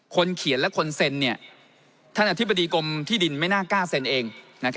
คนเขียนและคนเซ็นท่านอธิบดีกรมที่ดินไม่น่ากล้าเซ็นเอง